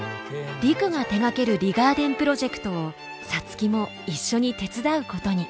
陸が手がけるリガーデンプロジェクトを皐月も一緒に手伝うことに。